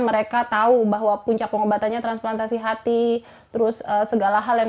mereka tahu bahwa puncak pengobatannya transplantasi hati terus segala hal yang